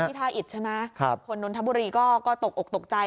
ท่าอิดใช่ไหมคนนนทบุรีก็ตกอกตกใจ